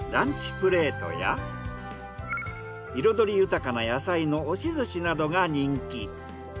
プレートや彩り豊かな野菜の押し寿司などが人気。